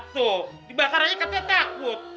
tuh dibakar aja katanya takut